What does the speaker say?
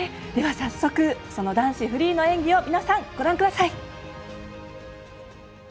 早速、男子フリーの演技皆さん、ご覧ください。